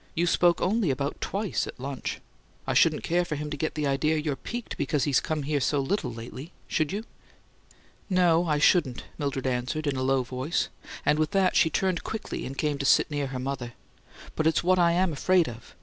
You spoke only about twice at lunch. I shouldn't care for him to get the idea you're piqued because he's come here so little lately, should you?" "No, I shouldn't," Mildred answered in a low voice, and with that she turned quickly, and came to sit near her mother. "But it's what I am afraid of!